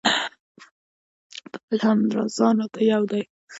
په بل هم ځان راته یو دی.